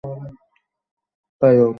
ব্যস আমাদের ইনভেস্টমেন্ট বাঁচাচ্ছি, ড্যানি।